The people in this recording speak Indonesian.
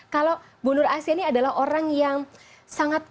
kalau bu nur asia ini adalah orang yang sangat